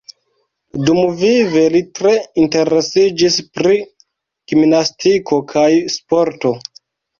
Dumvive li tre interesiĝis pri gimnastiko kaj sporto.